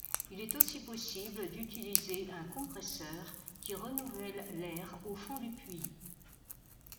Il est aussi possible d'utiliser un compresseur qui renouvelle l'air au fond du puits.